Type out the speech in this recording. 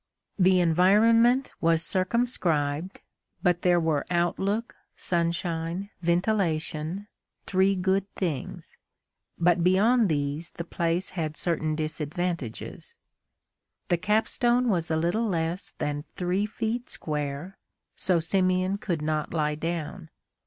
The environment was circumscribed, but there were outlook, sunshine, ventilation—three good things. But beyond these the place had certain disadvantages. The capstone was a little less than three feet square, so Simeon could not lie down.